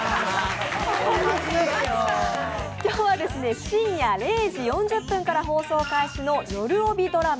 今日は深夜０時４０分から放送開始のよるおびドラマ「